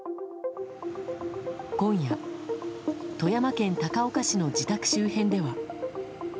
今夜、富山県高岡市の自宅周辺では。